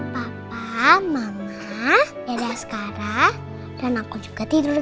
papa mama dada sekarang dan aku juga tidur disini